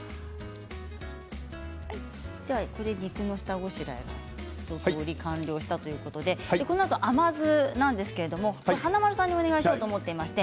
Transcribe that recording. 肉の下ごしらえが完了したということでこのあと甘酢なんですが華丸さんにお願いしようと思います。